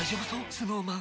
ＳｎｏｗＭａｎ